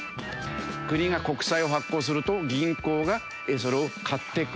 国が国債を発行すると銀行がそれを買ってくれる。